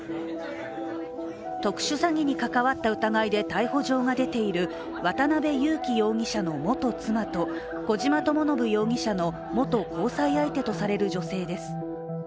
特殊詐欺に関わった疑いで逮捕状が出ている渡辺優樹容疑者の元妻と小島智信容疑者の元交際相手とされる女性です。